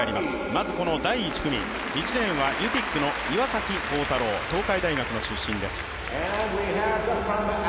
まず、第１組１レーンはユティックの岩崎浩太郎東海大学の出身です。